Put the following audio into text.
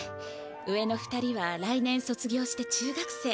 上の２人は来年そつ業して中学生。